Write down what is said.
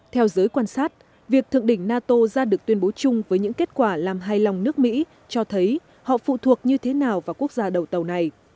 theo giới quan sát việc thượng đỉnh nato ra được tuyên bố chung với những kết quả làm hài lòng nước mỹ cho thấy họ phụ thuộc như thế nào vào quốc gia đầu tàu này